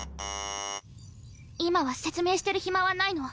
今は説明してる暇はないの。